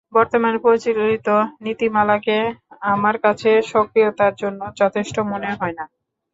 বর্তমানে প্রচলিত নীতিমালাকে আমার কাছে সক্রিয়তার জন্য যথেষ্ট মনে হয় না।